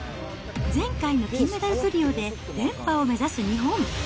前回の金メダルトリオで連覇を目指す日本。